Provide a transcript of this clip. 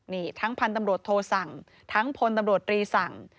นี่ทั้งพันธุ์ตำรวจโทสั่งทั้งพลตำรวจรีสั่ง